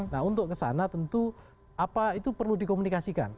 nah untuk ke sana tentu apa itu perlu dikomunikasikan